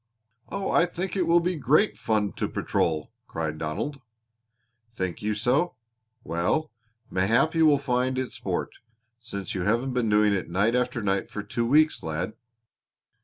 "Oh, I think it will be great fun to patrol!" cried Donald. "Think you so? Well, mayhap you will find it sport, since you haven't been doing it night after night for two weeks, lad."